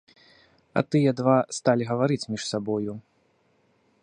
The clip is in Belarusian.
А тыя два сталі гаварыць між сабою.